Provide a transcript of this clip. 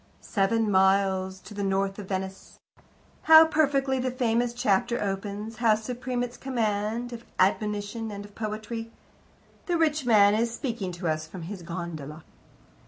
"Seven miles to the north of Venice " How perfectly the famous chapter opens! How supreme its command of admonition and of poetry! The rich man is speaking to us from his gondola.